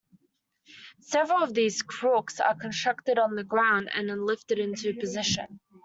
Several of these "crooks" are constructed on the ground and then lifted into position.